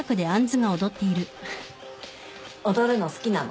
踊るの好きなの？